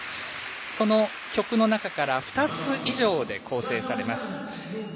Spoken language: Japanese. その曲の中から２つ以上で構成されます。